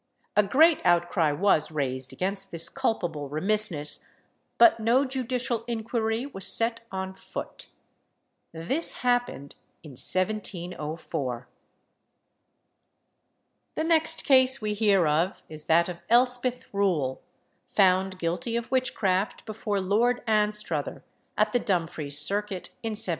A great outcry was raised against this culpable remissness, but no judicial inquiry was set on foot. This happened in 1704. The next case we hear of is that of Elspeth Rule, found guilty of witchcraft before Lord Anstruther, at the Dumfries circuit, in 1708.